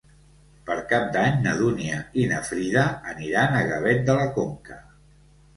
Per Cap d'Any na Dúnia i na Frida aniran a Gavet de la Conca.